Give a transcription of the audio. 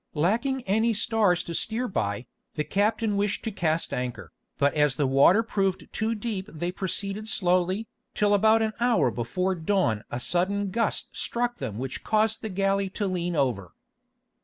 Lacking any stars to steer by, the captain wished to cast anchor, but as the water proved too deep they proceeded slowly, till about an hour before dawn a sudden gust struck them which caused the galley to lean over.